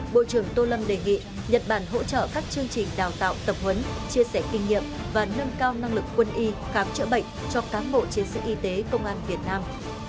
bộ trưởng tô lâm đề nghị nhật bản hỗ trợ các chương trình đào tạo tập huấn chia sẻ kinh nghiệm và nâng cao năng lực quân y khám chữa bệnh cho cám bộ chiến sĩ y tế công an việt nam